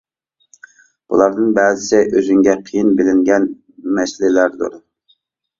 بۇلاردىن بەزىسى ئۆزۈڭگە قىيىن بىلىنگەن مەسىلىلەردۇر.